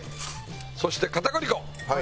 そして片栗粉。